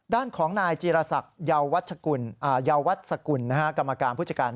ด้านของนายจีรศักดิ์เยาวัตสกุลกรรมการผู้จัดการ